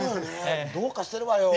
どうかしてるわよ。